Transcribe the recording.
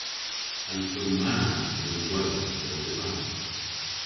"An fylm ma yw an gwella, dell dybav."